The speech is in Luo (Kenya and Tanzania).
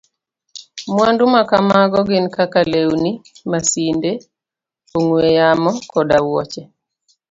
Mwandu makamago gin kaka lewni, masinde, ong'we yamo, koda wuoche.